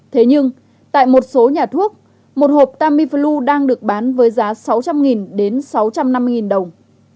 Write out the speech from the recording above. thế nhưng tại một số nhà thuốc một hộp tamiflu đang được bán với giá sáu trăm linh đồng đến sáu trăm linh đồng